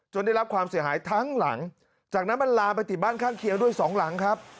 ได้รับความเสียหายทั้งหลังจากนั้นมันลามไปติดบ้านข้างเคียงด้วยสองหลังครับ